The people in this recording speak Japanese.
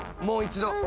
もう一度！